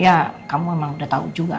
ya kamu emang udah tau juga ya